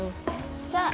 さあ！